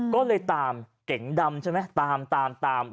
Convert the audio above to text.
ก็เลยตามเก๋งดำใช่ไหมตามตาม